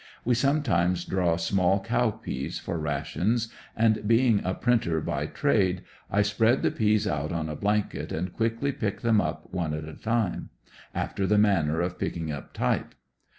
We sometimes draw small cow peas for rations, and being a printer by trade, I spread the peas out on a blanket and quickly pick them up one at a time, after the manner of picking up type.